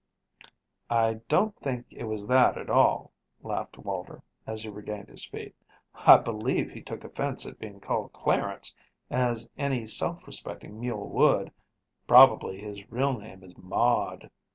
"I don't think it was that, at all," laughed Walter, as he regained his feet. "I believe he took offense at being called Clarence, as any self respecting mule would probably his real name is Maud."